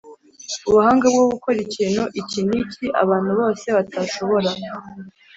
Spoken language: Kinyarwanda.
Ubuhanga bwo gukora ikintu iki n’iki abantu bose batashobora